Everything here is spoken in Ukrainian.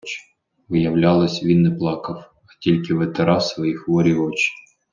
Виявлялось - він не плакав, а тільки витирав свої хворі очі!..